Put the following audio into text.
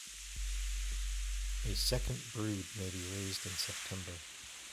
A second brood may be raised in September.